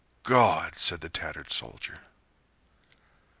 "God!" said the tattered soldier.